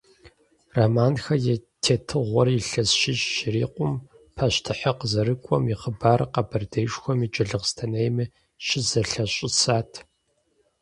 Романхэ я тетыгъуэр илъэс щищ щырикъум, пащтыхьыр къызэрыкӀуэм и хъыбарыр Къэбэрдеишхуэми Джылахъстэнейми щызэлъащӀысат.